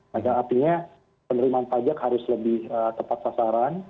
maka artinya penerimaan pajak harus lebih tepat pasaran